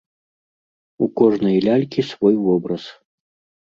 У кожнай лялькі свой вобраз.